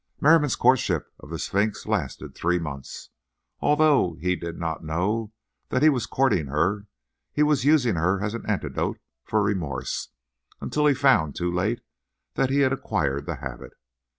Merriam's courtship of the Sphinx lasted three months, although be did not know that he was courting her. He was using her as an antidote for remorse, until he found, too late, that he had acquired the habit.